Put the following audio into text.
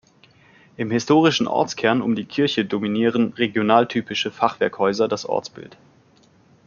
Im historischen Ortskern um die Kirche dominieren regionaltypische Fachwerkhäuser das Ortsbild.